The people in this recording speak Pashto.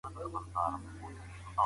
تاسو باید دې کچي ته ورسیږئ.